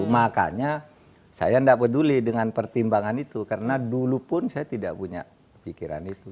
makanya saya tidak peduli dengan pertimbangan itu karena dulu pun saya tidak punya pikiran itu